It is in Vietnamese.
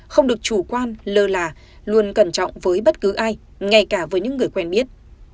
không được chủ quan lơ là luôn cẩn trọng với bất cứ ai ngay cả với những người quen biết